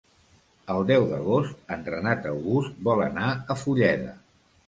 El deu d'agost en Renat August vol anar a Fulleda.